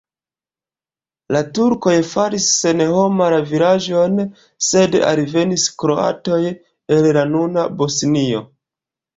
La turkoj faris senhoma la vilaĝon, sed alvenis kroatoj el la nuna Bosnio.